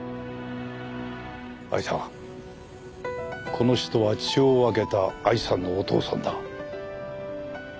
この人は血を分けた藍さんのお父さんだ。